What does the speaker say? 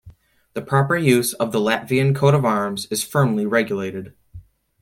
The proper use of the Latvian coat of arms is firmly regulated.